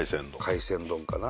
海鮮丼かな。